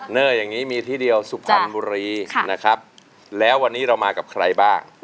เนอร์อย่างนี้มีที่เดียวสุพรรณบุรีนะครับแล้ววันนี้เรามากับใครบ้าง